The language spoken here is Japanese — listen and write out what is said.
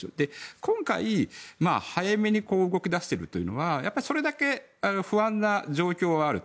今回、早めに動き出しているというのはやっぱりそれだけ不安な状況はあると。